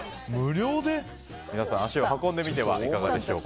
皆さん、足を運んでみてはいかがでしょうか。